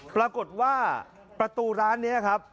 ปรากฏว่าประตูร้านนี้ครับ